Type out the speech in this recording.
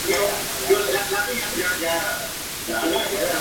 La prueba tiene validez convergente, pero no la validez discriminante.